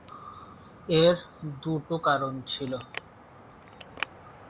এর দুটো কারণ ছিল।